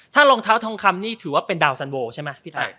ถ้าลองเท้าทองคำนี่ถือว่าเป็นดาวสันโว่ใช่มะ